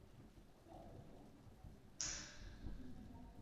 তার পিতা ডাক্তার কাজী মোতাহার হোসেন ছিলেন বিখ্যাত পণ্ডিত ব্যক্তি ও জাতীয় অধ্যাপক।